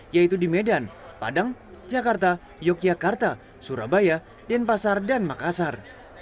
yaitu di medan padang jakarta yogyakarta surabaya denpasar dan makassar